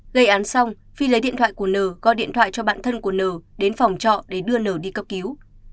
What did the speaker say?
gây án xong phi lấy điện thoại của n gói điện thoại cho bạn thân của n đến phòng trọ để đưa n đi cấp cứu